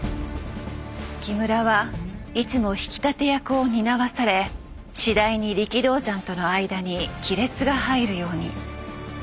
木村はいつも引き立て役を担わされ次第に力道山との間に亀裂が入るように。